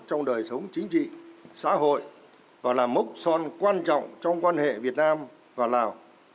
trong đời sống chính trị xã hội và là mốc son quan trọng trong quan hệ việt nam và lào